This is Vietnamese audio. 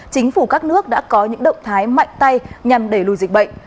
chính phủ các nước đã có những động thái mạnh tay nhằm đẩy lùi dịch bệnh